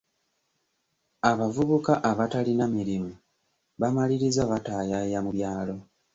Abavubuka abatalina mirimu bamaliriza bataayaaya mu byalo.